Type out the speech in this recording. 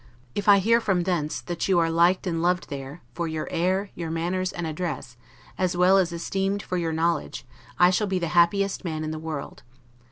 If I hear from thence, that you are liked and loved there, for your air, your manners, and address, as well as esteemed for your knowledge, I shall be the happiest man in the world.